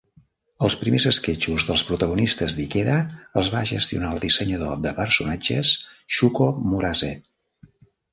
Els primers esquetxos dels protagonistes d'Ikeda els va gestionar el dissenyador de personatges Shuko Murase.